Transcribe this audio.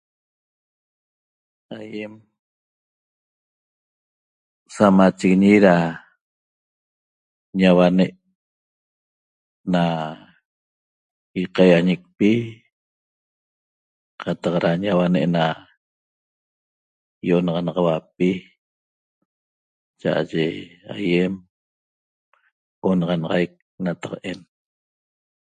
Aýem samachiguiñi da ñauane' na ýaqaýañicpi qataq da ñauane' na ýi'onaxanaxauapi cha'aye aýem onaxanaxaic nataq'en